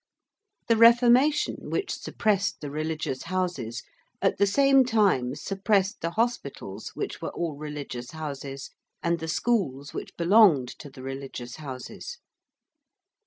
The Reformation, which suppressed the religious Houses, at the same time suppressed the hospitals which were all religious Houses and the schools which belonged to the religious Houses.